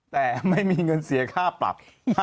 แต่ไม่มีเงินเสียค่าปรับ